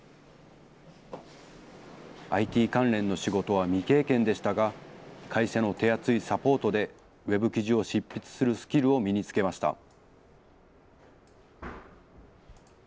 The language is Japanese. ＩＴ関連の仕事は未経験でしたが、会社の手厚いサポートでウェブ記事を執筆するスキルを身につけました。